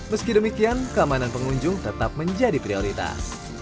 meski demikian keamanan pengunjung tetap menjadi prioritas